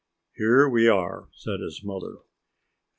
"Here we are!" said his mother.